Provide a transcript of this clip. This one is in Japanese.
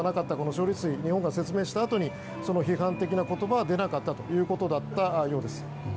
処理水について日本が説明したあとに批判的な言葉は出なかったということのようです。